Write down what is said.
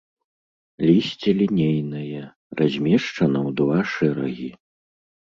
Лісце лінейнае, размешчана ў два шэрагі.